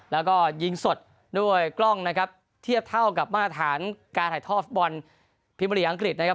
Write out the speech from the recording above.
แล้วก็ยิงสดด้วยกล้องนะครับเทียบเท่ากับมาตรฐานการถ่ายทอดฟุตบอลพิมบุรีอังกฤษนะครับ